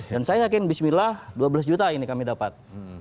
dan saya yakin bismillah dua belas juta ini kami dapat